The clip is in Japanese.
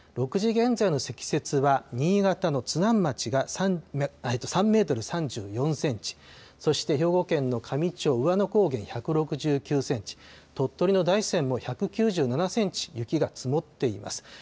６時現在の積雪は、新潟の津南町が３メートル３４センチ、そして兵庫県の香美町兎和野高原１６９センチ、鳥取の大山も１９７センチ雪が積もっています。